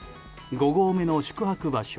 ５合目の宿泊場所